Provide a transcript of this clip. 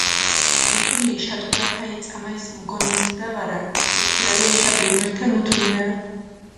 მუთუნი ეშატყურაფალი წამალს მუგონენთდა ვარა, ოჭკირალო იშა ვემირთე მუთუნნერო.